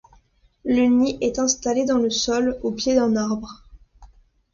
Le nid est installé dans le sol, au pied d'un arbre.